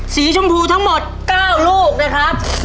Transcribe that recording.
สีชมพูทั้งหมด๙ลูกนะครับ